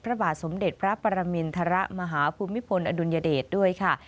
พระบาทสมเด็จพระปรมินทรมาฮภูมิพลอดุลยเดชด้วยค่ะ